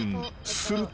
［すると］